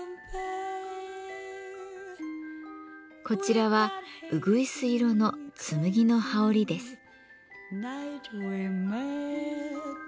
こちらはうぐいす色のつむぎの羽織です。